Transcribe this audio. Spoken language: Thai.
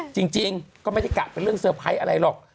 จริงก็ไม่ได้กะเป็นเรื่องเซอร์ไพรส์อะไรหรอก